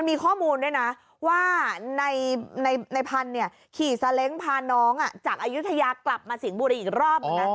มีข้อมูลด้วยนะว่าในพันธุ์ขี่ซาเล้งพาน้องจากอายุทยากลับมาสิงห์บุรีอีกรอบ